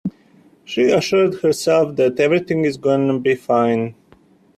She assured herself that everything is gonna be fine.